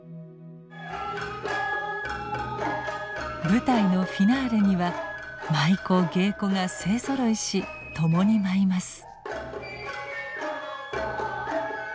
舞台のフィナーレには舞妓芸妓が勢ぞろいし共に舞います。